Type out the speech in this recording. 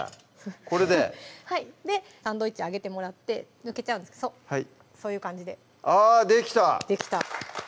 これでサンドイッチあげてもらって抜けちゃうんですそうそういう感じであっできた！